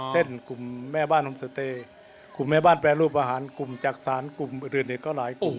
เส้นกลุ่มแม่บ้านอมเศษตร์กลุ่มแม่บ้านแปลรูปอาหารกลุ่มจักษรกลุ่มเรือนเน็ตก็หลายกลุ่มครับครับ